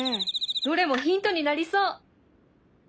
どれもヒントになりそう！